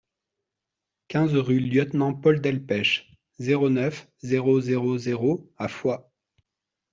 quinze rue Lieutenant Paul Delpech, zéro neuf, zéro zéro zéro à Foix